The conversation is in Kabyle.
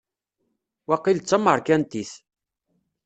Waqil d tameṛkantit.